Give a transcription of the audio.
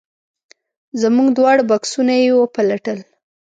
زموږ دواړه بکسونه یې وپلټل.